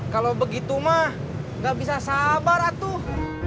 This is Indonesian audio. kalau begitu mah gak bisa sabar atuh